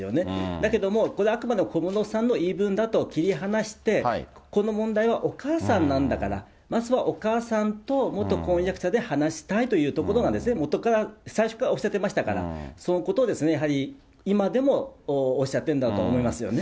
だけどもこれはあくまでも小室さんの言い分だと切り離して、この問題はお母さんなんだから、まずはお母さんと元婚約者で話したいというところが、元から、最初からおっしゃってましたから、そのことをやはり、今でもおっしゃってるんだと思いますよね。